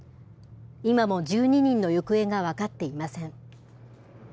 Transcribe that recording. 今も１２人の行方が分かっていません。